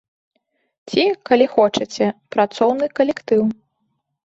Ці, калі хочаце, працоўны калектыў.